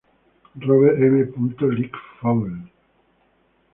Robert M. Lightfoot, Jr.